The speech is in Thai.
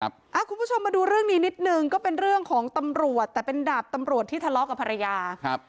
คุณผู้ชมมาดูเรื่องนี้นิดนึงก็เป็นเรื่องของตำรวจแต่เป็นดาบตำรวจที่ทะเลาะกับภรรยาครับ